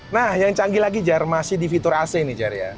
nah yang canggih lagi jar masih di fitur ac ini jerry ya